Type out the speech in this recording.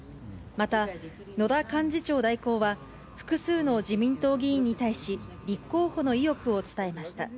また、野田幹事長代行は、複数の自民党議員に対し、立候補の意欲を伝えました。